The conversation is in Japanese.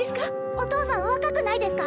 お父さん若くないですか？